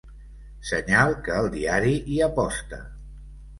Senyal que el diari hi aposta.